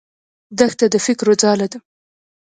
دښته د فکرو ځاله ده.